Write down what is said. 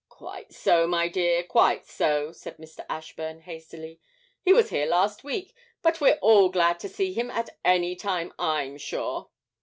'Quite so, my dear; quite so,' said Mr. Ashburn, hastily. 'He was here last week; but we're all glad to see him at any time, I'm sure.'